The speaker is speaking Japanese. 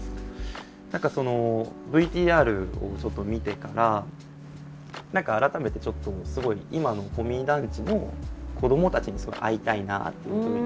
何かＶＴＲをちょっと見てから何か改めてちょっとすごい今の保見団地の子どもたちにすごい会いたいなっていうふうに。